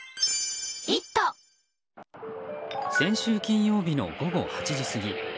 先週金曜日の午後８時過ぎ。